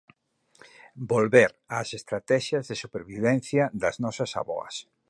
Volver ás estratexias de supervivencia das nosas avoas.